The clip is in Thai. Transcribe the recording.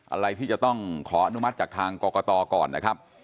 อะไรที่จะต้องขออนุมัติจากทางกรกตก่อนนะครับ